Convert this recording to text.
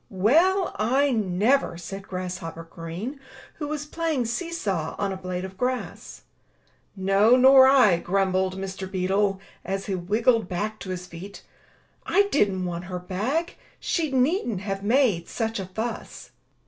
"Well, I never!*' said Grasshopper Green, who was playing see saw on a blade of grass. "No, nor I, grumbled Mr. Beetle, as he wriggled back to his feet. "I didn't want her bag. She needn't have made such a fuss."